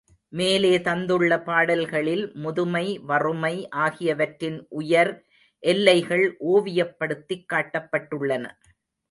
மேலே தந்துள்ள பாடல்களில் முதுமை வறுமை ஆகியவற்றின் உயர் எல்லைகள் ஓவியப்படுத்திக் காட்டப்பட்டுள்ளன.